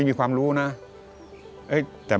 ทำด้วยความรู้ของตัวเองที่ตัวเองรู้แค่นั้น